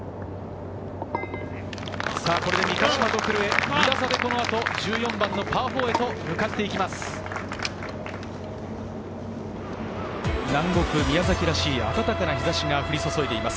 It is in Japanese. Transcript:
これで三ヶ島と古江、２打差でこの後１４番のパー４へと向かっていきます。